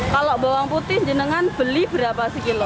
kalau bawang putih jenengan beli berapa sekilo